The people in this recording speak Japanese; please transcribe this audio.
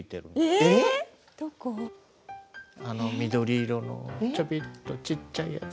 えっ⁉あの緑色のちょびっとちっちゃいやつ。